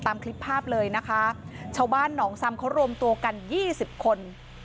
ตามคลิปภาพเลยนะคะชาวบ้านหนองซำเขารวมตัวกันยี่สิบคน